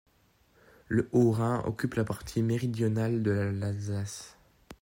Le Haut-Rhin occupe la partie méridionale de l'Alsace.